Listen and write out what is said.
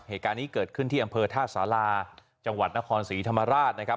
เหตุการณ์นี้เกิดขึ้นที่อำเภอท่าสาราจังหวัดนครศรีธรรมราชนะครับ